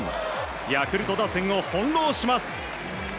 ヤクルト打線をほんろうします。